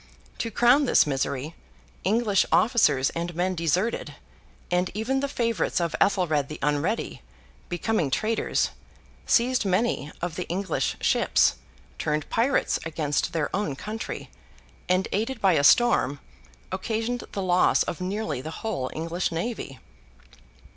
To crown this misery, English officers and men deserted, and even the favourites of Ethelred the Unready, becoming traitors, seized many of the English ships, turned pirates against their own country, and aided by a storm occasioned the loss of nearly the whole English navy.